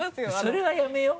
それはやめよう？